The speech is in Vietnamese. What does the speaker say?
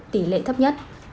tỷ lệ thấp nhất